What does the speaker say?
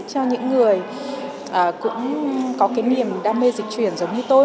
cho những người cũng có cái niềm đam mê dịch truyền giống như tôi